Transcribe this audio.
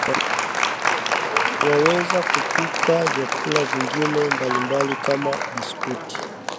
Waweza kupika vyakula vingine mbalimbali kama biskuti